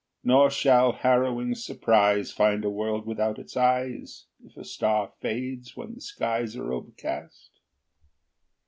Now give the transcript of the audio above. Nor shall harrowing surprise Find a world without its eyes If a star fades when the skies Are overcast.